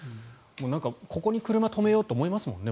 ここに車止めようと思いますもんね。